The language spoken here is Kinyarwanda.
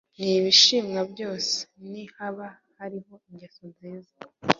n’ibishimwa byose, nihaba hariho ingeso nziza